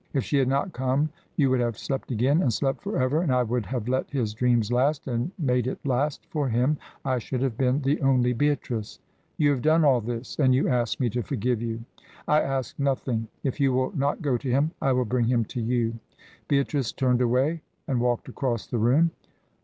If she had not come, you would have slept again, and slept for ever. And I would have let his dreams last, and made it last for him, I should have been the only Beatrice." "You have done all this, and you ask me to forgive you?" "I ask nothing. If you will not go to him, I will bring him to you " Beatrice turned away and walked across the room.